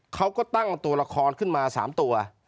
เขาก็ตั้งตัวละครขึ้นมา๓ตัว